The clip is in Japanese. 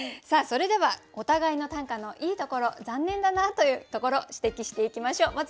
さあそれではお互いの短歌のいいところ残念だなあというところ指摘していきましょう。